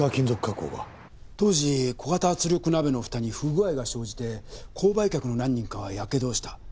当時小型圧力鍋の蓋に不具合が生じて購買客の何人かがやけどをした。